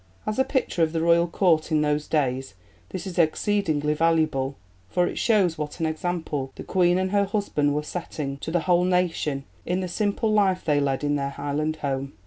As a picture of the Royal Court in those days this is exceedingly valuable, for it shows what an example the Queen and her husband were setting to the whole nation in the simple life they led in their Highland home.